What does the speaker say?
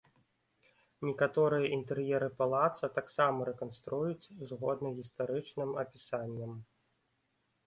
Некаторыя інтэр'еры палаца таксама рэканструююць згодна гістарычным апісанням.